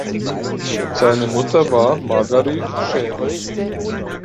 Seine Mutter war Marguerite Chaix.